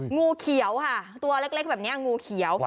งูเขียวค่ะตัวเล็กแบบนี้งูเขียว